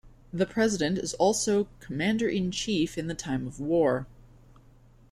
The president is also commander-in-chief in the time of war.